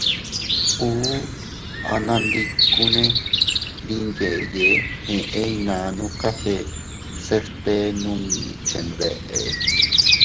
Ùu anandikuune ndi nyeyee eʼe iynannu cafèse se bte nunni chenbeʼe.